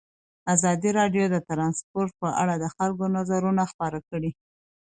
ازادي راډیو د ترانسپورټ په اړه د خلکو نظرونه خپاره کړي.